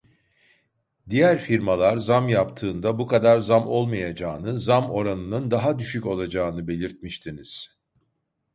Diğer firmalar zam yaptığında bu kadar zam olmayacağını zam oranının daha düşük olacağını belirtmiştiniz.